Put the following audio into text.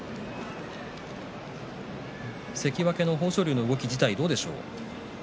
関脇の豊昇龍の動き自体どうでしょう？